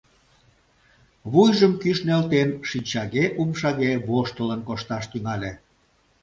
Вуйжым кӱш нӧлтен, шинчаге, умшаге воштылын кошташ тӱҥале.